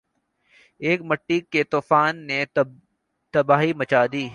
ایک مٹی کے طوفان نے تباہی مچا دی